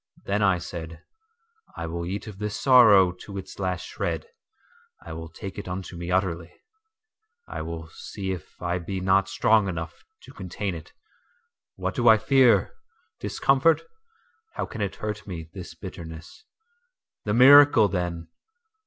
…Then I said: I will eat of this sorrow to its last shred,I will take it unto me utterly,I will see if I be not strong enough to contain it.…What do I fear? Discomfort? How can it hurt me, this bitterness? The miracle, then!